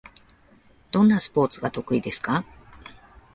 どんなスポーツが得意ですか？